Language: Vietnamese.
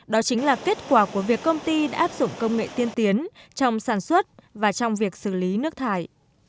đó chính là kết quả của việc công ty đã áp dụng công nghệ tiên tiến trong sản xuất và trong việc xử lý nước thải